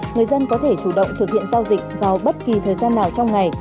người dân có thể chủ động thực hiện giao dịch vào bất kỳ thời gian nào trong ngày